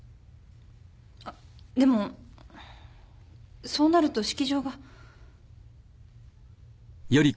あっでもそうなると式場が。